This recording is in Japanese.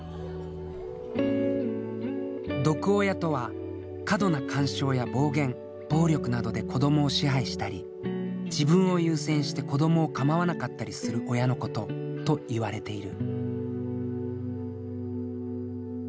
「毒親」とは過度な干渉や暴言・暴力などで子どもを支配したり自分を優先して子どもを構わなかったりする親のことといわれている。